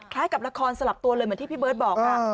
กับละครสลับตัวเลยเหมือนที่พี่เบิร์ตบอกค่ะ